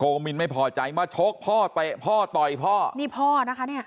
มินไม่พอใจมาชกพ่อเตะพ่อต่อยพ่อนี่พ่อนะคะเนี่ย